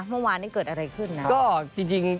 เมื่อวานเกิดอะไรขึ้นนะ